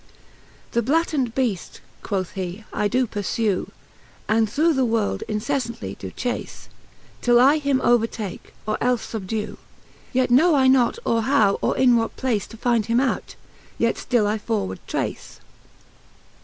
VTI. The Blatant Beaft, quoth he, I doe purfew, And through the world inceffantly doe chaie, Till I him overtake, or elle fubdew: Yet know I not or how, or in what place To find him out, yet ftill I forward trace.